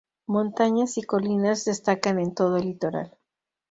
Montañas y colinas destacan en todo el litoral.